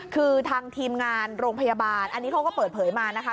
คือทางทีมงานโรงพยาบาลอันนี้เขาก็เปิดเผยมานะคะ